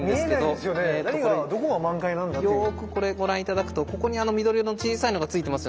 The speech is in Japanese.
よくこれご覧頂くとここに緑色の小さいのがついてますよね。